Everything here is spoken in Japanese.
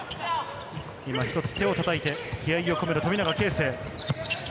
今ひとつ手をたたいて、気合いを込めた富永啓生。